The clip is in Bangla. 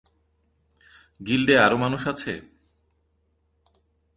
গিল্ডে আরো মানুষ আছে?